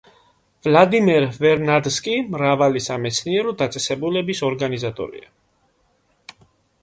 ვლადიმერ ვერნადსკი მრავალი სამეცნიერო დაწესებულების ორგანიზატორია.